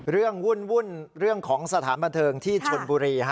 วุ่นเรื่องของสถานบันเทิงที่ชนบุรี